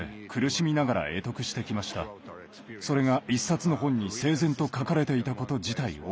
それが一冊の本に整然と書かれていたこと自体驚きでした。